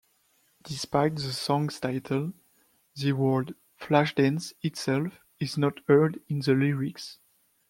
Despite the song's title, the word "Flashdance" itself is not heard in the lyrics.